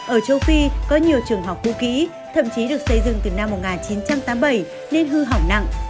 ở châu phi có nhiều trường học cũ kỹ thậm chí được xây dựng từ năm một nghìn chín trăm tám mươi bảy nên hư hỏng nặng